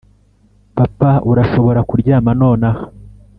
papa, urashobora kuryama nonaha.